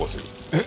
えっ！